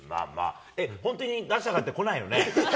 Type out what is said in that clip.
本当にって来ないよね。